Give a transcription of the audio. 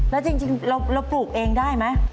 แล้วจริงเราปลูกเองได้ไหม